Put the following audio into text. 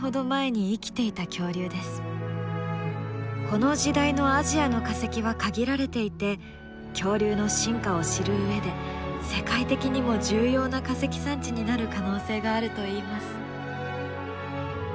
この時代のアジアの化石は限られていて恐竜の進化を知る上で世界的にも重要な化石産地になる可能性があるといいます。